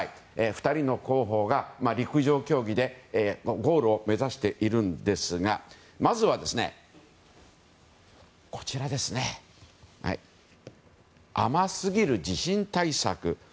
２人の候補が陸上競技でゴールを目指しているんですがまずは、甘すぎる地震対策。